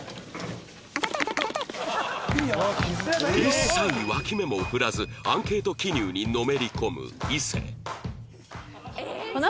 一切脇目も振らずアンケート記入にのめり込む伊勢